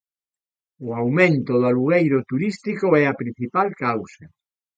O aumento do alugueiro turístico é a principal causa.